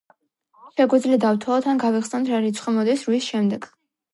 შეგვიძლია დავთვალოთ ან გავიხსენოთ რა რიცხვი მოდის რვის შემდეგ.